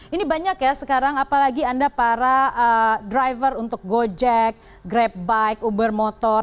ini banyak ya sekarang apalagi anda para driver untuk gojek grab bike uber motor